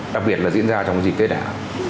đặc biệt là diễn ra trong dịp tết này